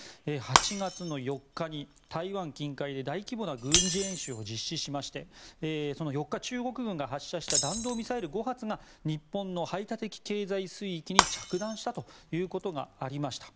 ８月４日に台湾近海で大規模な軍事演習を実施しましてその４日、中国軍が発射した弾道ミサイル５発が日本の排他的経済水域に着弾したということがありました。